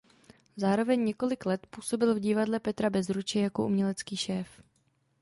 Zároveň několik let působil v Divadle Petra Bezruče jako umělecký šéf.